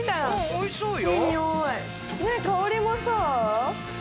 おいしそう。